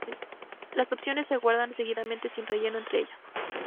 Las opciones se guardan seguidamente sin relleno entre ellas.